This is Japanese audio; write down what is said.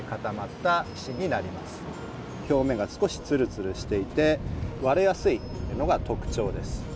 表面が少しツルツルしていて割れやすいのが特徴です。